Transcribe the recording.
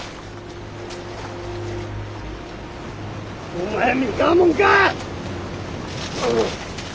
お前三河もんか！